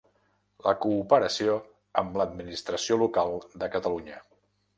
La cooperació amb l'Administració local de Catalunya.